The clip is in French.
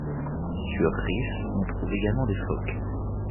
Sur Rif on trouve également des phoques.